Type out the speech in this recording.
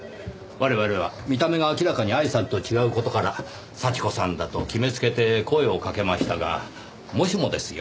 我々は見た目が明らかに愛さんと違う事から幸子さんだと決めつけて声をかけましたがもしもですよ？